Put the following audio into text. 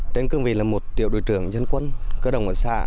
trên cương vị là một tiểu đội trưởng dân quân cơ đồng ở xã